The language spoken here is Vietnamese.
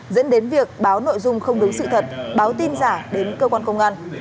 dẫn đến việc báo nội dung không đúng sự thật báo tin giả đến cơ quan công an